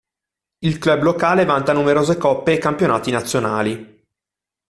Il club locale vanta numerose coppe e campionati nazionali.